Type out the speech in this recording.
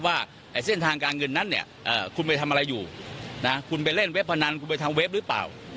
ว่าเส้นทางการเงินนั้นเนี่ยคุณไปทำอะไรอยู่นะคุณไปเล่นเว็บพนันคุณไปทำเว็บหรือเปล่า